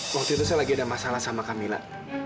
waktu itu saya lagi ada masalah sama camilla